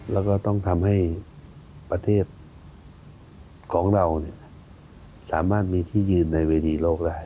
แล้วก็ต้องทำให้ประเทศของเราสามารถมีที่ยืนในเวทีโลกได้